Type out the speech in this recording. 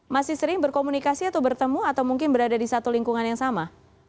masih sering berkomunikasi atau bertemu atau mungkin berada di satu lingkungan yang sama